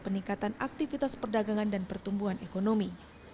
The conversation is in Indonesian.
peningkatan aktivitas perdagangan dan pertumbuhan ekonomi